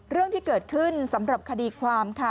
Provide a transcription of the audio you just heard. เรื่องที่เกิดขึ้นสำหรับคดีความค่ะ